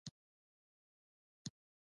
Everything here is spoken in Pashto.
هر څه ایدیالوژیکه تله تلل کېدل